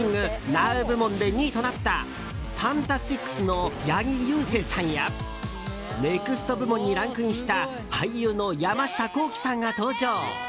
ＮＯＷ部門で２位となったＦＡＮＴＡＳＴＩＣＳの八木勇征さんやＮＥＸＴ部門にランクインした俳優の山下幸輝さんが登場！